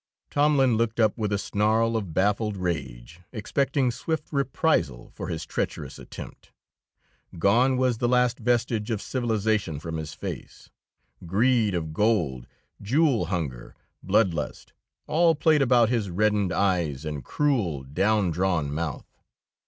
Tomlin looked up with a snarl of baffled rage, expecting swift reprisal for his treacherous attempt. Gone was the last vestige of civilization from his face; greed of gold, jewel hunger, blood lust, all played about his reddened eyes and cruel, down drawn mouth.